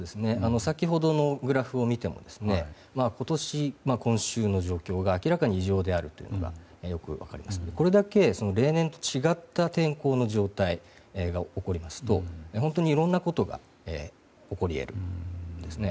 先ほどのグラフを見ても今年、今週の状況が明らかに異常であることがよく分かりますがこれだけ例年と違った天候の状態が起こりますと本当にいろいろなことが起こり得るんです。